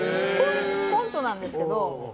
コントなんですけど。